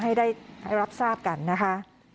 ให้ได้รับทราบกันนะคะ